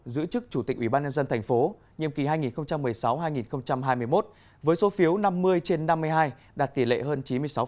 giữ chức chủ tịch ủy ban nhân dân tp nhiệm kỳ hai nghìn một mươi sáu hai nghìn hai mươi một với số phiếu năm mươi trên năm mươi hai đạt tỷ lệ hơn chín mươi sáu